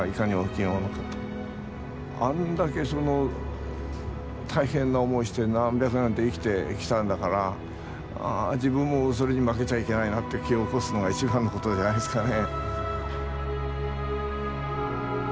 あんだけその大変な思いして何百年と生きてきたんだから自分もそれに負けちゃいけないなって気を起こすのが一番のことじゃないですかね。